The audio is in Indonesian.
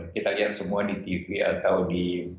kita lihat semua di tv atau di